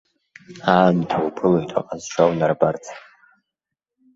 Аамҭа уԥылоит аҟазшьа унарбарц.